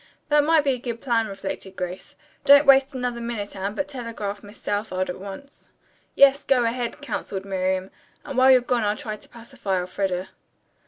"That might be a good plan," reflected Grace. "Don't waste another minute, Anne, but telegraph Miss Southard at once." "Yes, go ahead," counseled Miriam, "and while you're gone I'll try to pacify Elfreda."